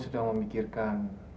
kemudian juga kembali di you over there